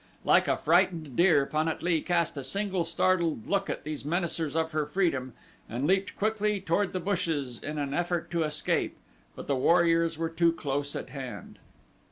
Like a frightened deer Pan at lee cast a single startled look at these menacers of her freedom and leaped quickly toward the bushes in an effort to escape; but the warriors were too close at hand.